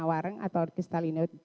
wareng atau kristalino